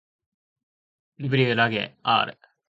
ｗ らげ ｒ